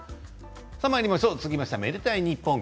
続きましては「愛でたいｎｉｐｐｏｎ」